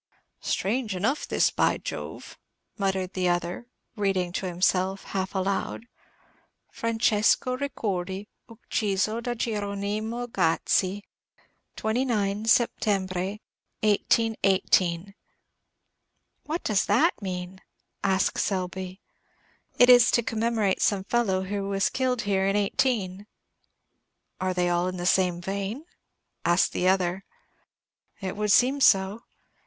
"Strange enough this, by Jove!" muttered the other, reading to himself, half aloud, "'Francesco Ricordi, ucciso da Gieronimo Gazzi, 29 Settembre, 1818.'" "What does that mean?" asked Selby. "It is to commemorate some fellow who was killed here in '18." "Are they all in the same vein?" asked the other. "It would seem so.